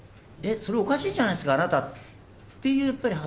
それ、おかしいじゃないですか、あなたっていうやっぱり発